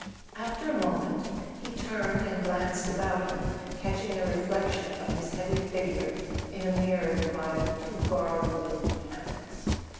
After a moment he turned and glanced about him, catching the reflection of his heavy figure in a mirror dividing two garlanded panels.